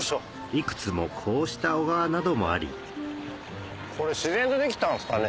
いくつもこうした小川などもありこれ自然とできたんですかね？